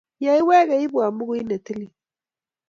Yeiwege iibwo bukuit ne tilil.